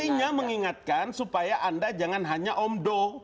intinya mengingatkan supaya anda jangan hanya omdo